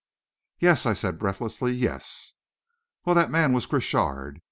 "Yes," I said, breathlessly; "yes." "Well, that man was Crochard.